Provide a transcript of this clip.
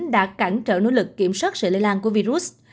đã cản trợ nỗ lực kiểm soát sự lây lan của virus